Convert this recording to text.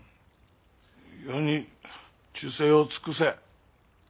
余に忠誠を尽くせ。